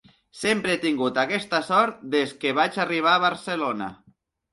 Sempre he tingut aquesta sort des que vaig arribar a Barcelona.